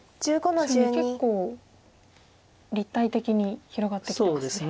しかも結構立体的に広がってきてますね。